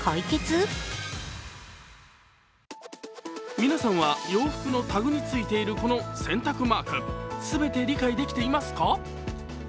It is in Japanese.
皆さんは洋服のタグについているこの洗濯マーク、全て理解できていますか？